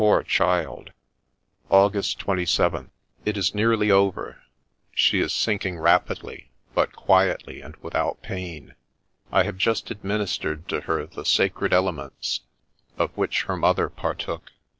Poor child I '' August 27th. — It is nearly over ; she is sulking rapidly, but quietly and without pain. I have just administered to her the sacred elements, of which her mother partook.